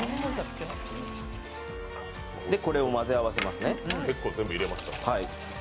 これを混ぜ合わせますね。